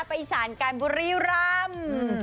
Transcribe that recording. ประอิศรรย์การบุรีรำ